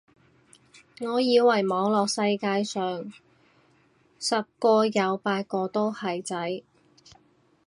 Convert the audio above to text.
我以為網絡世界十個有八個都係仔